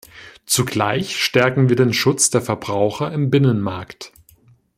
Zugleich stärken wir den Schutz der Verbraucher im Binnenmarkt.